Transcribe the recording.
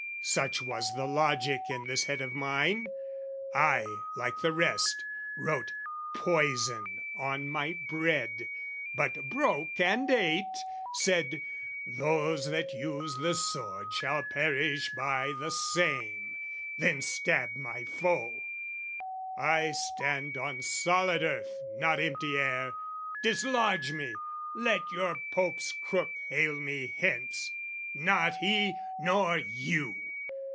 Such was the logic in this head of mine: I, like the rest, wrote "poison" on my bread; But broke and ate: said "those that use the sword "Shall perish by the same;" then stabbed my foe. I stand on solid earth, not empty air: Dislodge me, let your Pope's crook hale me hence! Not he, nor you!